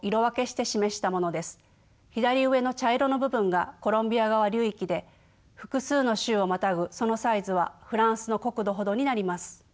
左上の茶色の部分がコロンビア川流域で複数の州をまたぐそのサイズはフランスの国土ほどになります。